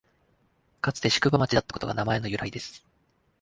かつて宿場町だったことが名前の由来です